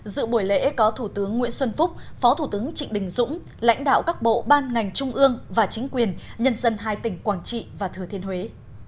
dự buổi lễ có thủ tướng nguyễn xuân phúc phó thủ tướng trịnh đình dũng lãnh đạo các bộ ban ngành trung ương và chính quyền nhân dân hai tỉnh quảng trị và thừa thiên huế